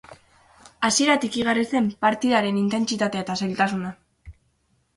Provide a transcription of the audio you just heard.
Hasieratik igarri zen partidaren intentsitatea eta zailtasuna.